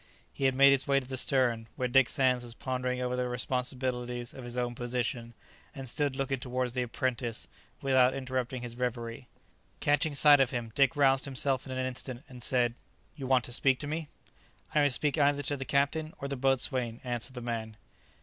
He had made his way to the stern, where Dick Sands was pondering over the responsibilities of his own position, and stood looking towards the apprentice without interrupting his reverie. Catching sight of him, Dick roused himself in an instant, and said, "You want to speak to me?" "I must speak either to the captain or the boatswain," answered the man.